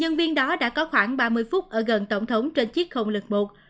nhân viên đó đã có khoảng ba mươi phút ở gần tổng thống trên chiếc không lực một